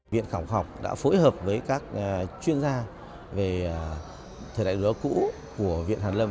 viện khảo học đã phối hợp với các chuyên gia về thời đại lúa cũ của viện hàn lâm